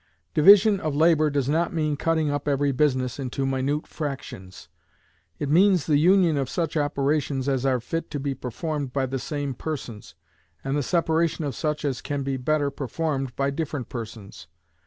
Division of labor does not mean cutting up every business into minute fractions; it means the union of such operations as are fit to be performed by the same persons, and the separation of such as can be better performed by different persons.